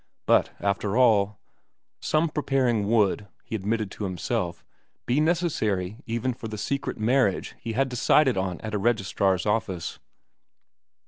But, after all, some preparing would, he admitted to himself, be necessary even for the secret marriage he had decided on at a registrar's office.